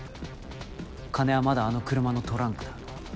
金はまだあの車のトランクだ。